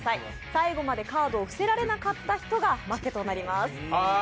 最後までカードを伏せられなかった人が負けとなります。